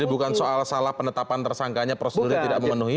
jadi bukan soal salah penetapan tersangkanya prosedurnya tidak memenuhi